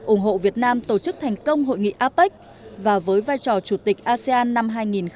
ủng hộ việt nam tổ chức thành công hội nghị apec và với vai trò chủ tịch asean năm hai nghìn hai mươi